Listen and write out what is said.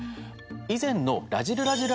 以前の「らじる★らじる」